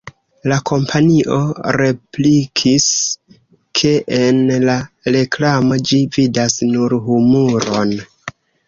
La kompanio replikis, ke en la reklamo ĝi vidas nur humuron.